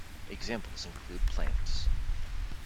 Examples include plants.